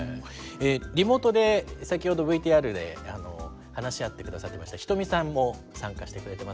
リモートで先ほどＶＴＲで話し合って下さってました人見さんも参加してくれてます。